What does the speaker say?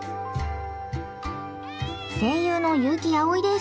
声優の悠木碧です。